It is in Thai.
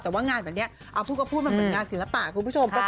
แต่ว่างานแบบนี้เอาพูดมาเป็นงานศิลปะคุณผู้ชม